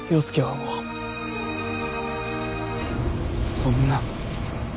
そんな。